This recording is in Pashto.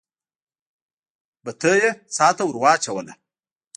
بتۍ يې څا ته ور واچوله.